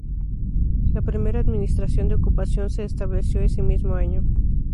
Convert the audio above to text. La primera administración de ocupación se estableció ese mismo año.